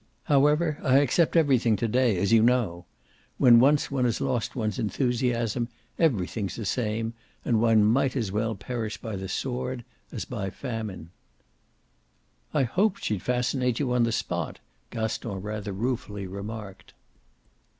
However, I accept everything to day, as you know; when once one has lost one's enthusiasm everything's the same and one might as well perish by the sword as by famine." "I hoped she'd fascinate you on the spot," Gaston rather ruefully remarked.